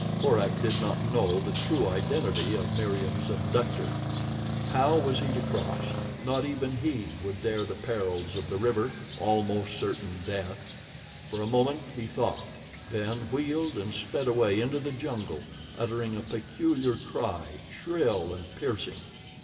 Korak did not know the true identity of Meriem's abductor. How was he to cross. Not even he would dare the perils of the river—almost certain death. For a moment he thought, then wheeled and sped away into the jungle, uttering a peculiar cry, shrill and piercing.